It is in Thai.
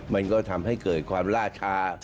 มันก็ทำให้เกิดความล่าช้า